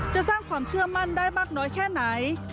จะสร้างความเชื่อมั่นได้มากน้อยแค่ไหน